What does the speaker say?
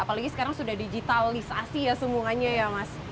apalagi sekarang sudah digitalisasi ya semuanya ya mas